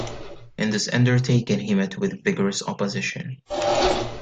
In this undertaking he met with vigorous opposition.